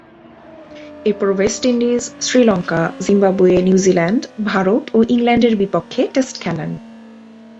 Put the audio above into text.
এরপর West Indies, Sri Lanka, Zimbabwe, New Zealand, Bharat ও ইংল্যান্ডের বিপক্ষে টেস্ট খেলেন।